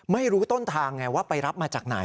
ไม่รู้ต้นทางไงว่าไปรับมาจากไหน